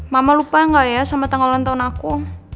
mama lupa gak ya sama tanggal ulang tahun aku